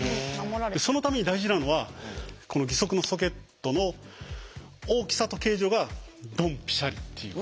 そのために大事なのはこの義足のソケットの大きさと形状がドンピシャリっていう。